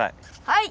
はい！